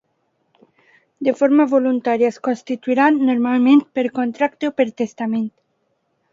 De forma voluntària es constituiran, normalment, per contracte o per testament.